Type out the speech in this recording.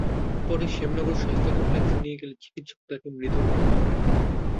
পরে শ্যামনগর স্বাস্থ্য কমপ্লেক্সে নিয়ে গেলে চিকিৎসক তাঁকে মৃত ঘোষণা করেন।